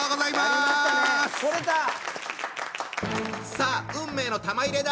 さあ運命の玉入れだ！